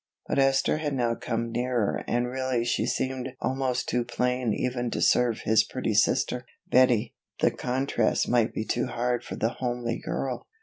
But Esther had now come nearer and really she seemed almost too plain even to serve his pretty sister, Betty, the contrast might be too hard for the homely girl.